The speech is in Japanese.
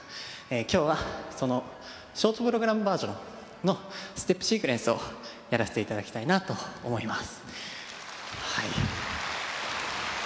今日はそのショートプログラムバージョンのステップシークエンスをやらせて頂きたいなと思います。